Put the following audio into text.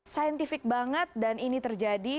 saintifik banget dan ini terjadi